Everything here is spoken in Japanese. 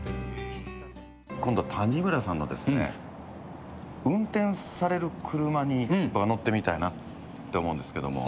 今度は谷村さんのですね、運転される車に僕は乗ってみたいなって思うんですけども。